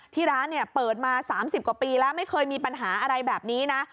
ที่ร้านเนี่ยเปิดมา๓๐กว่าปีแล้วไม่เคยมีปัญหาอะไรแบบนี้นะ